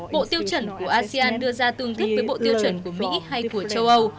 bộ tiêu chuẩn của asean đưa ra tương thích với bộ tiêu chuẩn của mỹ hay của châu âu